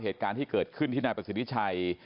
เหตุการณ์ที่เกิดขึ้นที่นายประสิทธิชัย